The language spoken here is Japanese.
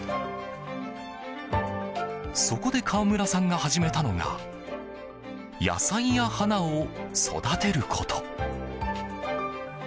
そこで川村さんが始めたのが野菜や花を育てること。